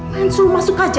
main suruh masuk aja